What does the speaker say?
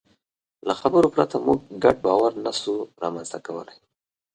له خبرو پرته موږ ګډ باور نهشو رامنځ ته کولی.